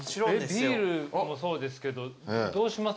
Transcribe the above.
ビールもそうですけどどうします？